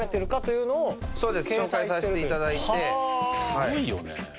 すごいよね。